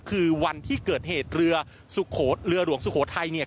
คือวันที่เกิดเหตุเรือสุโขทเรือหลวงสุโขทัยเนี่ย